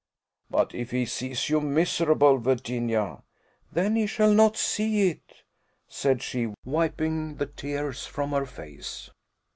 "But if he sees you miserable, Virginia?" "Then he shall not see it," said she, wiping the tears from her face.